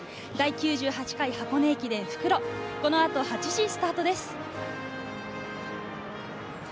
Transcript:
第９８回箱根駅伝・復路、この後８時スタートです。